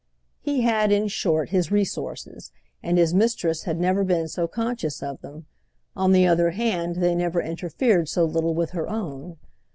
He had in short his resources, and his mistress had never been so conscious of them; on the other hand they never interfered so little with her own.